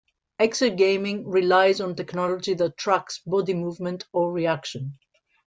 Exergaming relies on technology that tracks body movement or reaction.